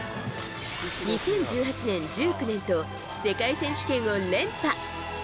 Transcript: ２０１８年、１９年と世界選手権を連破。